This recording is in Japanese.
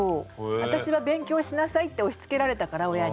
私は勉強しなさいって押しつけられたから親に。